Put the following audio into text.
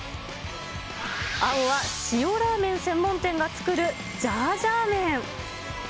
青は塩ラーメン専門店が作るジャージャー麺。